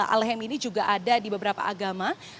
alhem ini juga ada di beberapa agama